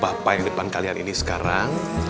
bapak yang depan kalian ini sekarang